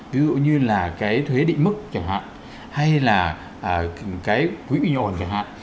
ví dụ như là cái thuế định mức chẳng hạn hay là cái quỹ bình ổn chẳng hạn